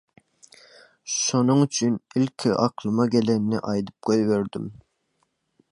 Şonuň üçin, ilki akylyma gelenini aýdyp goýberdim.